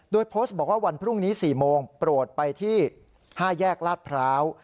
โดยโพสต์บอกว่าวันพรุ่งนี้๔โมงโปรดไปที่๕แยกลาดพร้าว